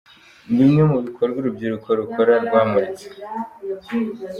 Bimwe mu bikorwa urubyiruko rukora rwamuritse.